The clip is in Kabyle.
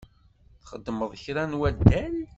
Txeddmeḍ kra n waddal?